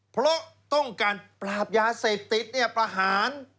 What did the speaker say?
เพราะต้องการปราบยาเสพติดประหาร